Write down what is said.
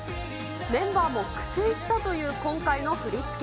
メンバーも苦戦したという今回の振り付け。